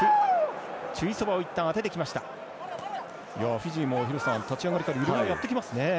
フィジーも立ち上がりからいろいろやってきますね。